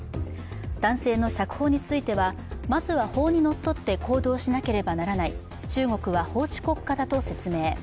男性の釈放については、まずは法にのっとって行動しなければならない、中国は法治国家だと説明。